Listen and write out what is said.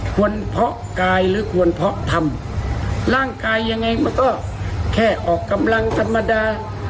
เพาะกายหรือควรเพาะทำร่างกายยังไงมันก็แค่ออกกำลังธรรมดา